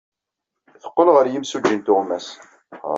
Teqqel ɣer yimsujji n tuɣmas.